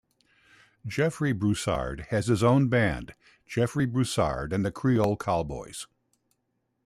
Jeffery Broussard has his own band, Jeffery Broussard and The Creole Cowboys.